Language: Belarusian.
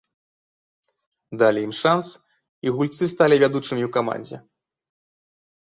Далі ім шанц, і гульцы сталі вядучымі ў камандзе.